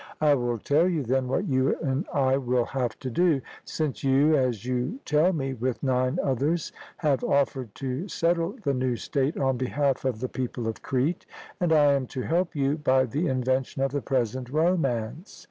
I will tell you, then, what you and I will have to do, since you, as you tell me, with nine others, have offered to settle the new state on behalf of the people of Crete, and I am to help you by the invention of the present romance.